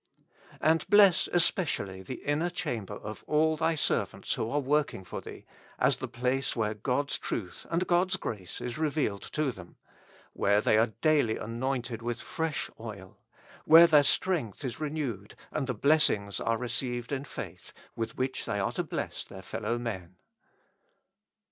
And bless especially the inner chamber of all Thy servants who are working for Thee, as the place where God's truth and God's grace is revealed to them, where they are daily anointed with fresh oil, where their strength is renewed, and the blessings are received in faith, with which they are to bless their fellow men.